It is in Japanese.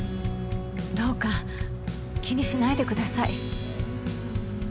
どうか気にしないでください。